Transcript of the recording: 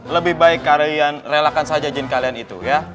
lebih baik kalian relakan saja izin kalian itu ya